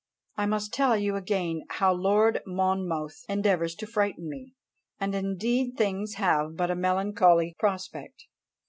I must tell you again how Lord Monmouth endeavours to frighten me, and indeed things have but a melancholy prospect."